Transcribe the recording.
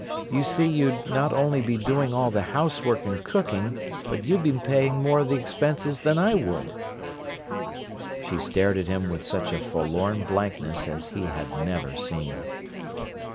You see you'd not only be doing all the housework and cooking, but you'd be paying more of the expenses than I would." She stared at him with such a forlorn blankness as he had never seen.